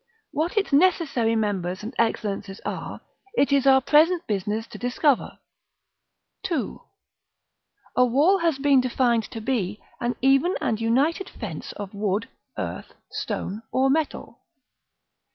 What its necessary members and excellences are, it is our present business to discover. § II. A wall has been defined to be an even and united fence of wood, earth, stone, or metal.